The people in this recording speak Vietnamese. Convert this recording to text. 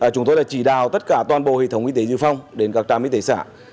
chúng tôi đã chỉ đào tất cả toàn bộ hệ thống y tế dự phòng đến các trạm y tế xã